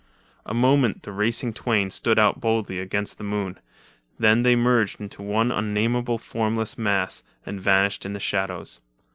A moment the racing twain stood out boldly against the moon; then they merged into one unnameable, formless mass, and vanished in the shadows.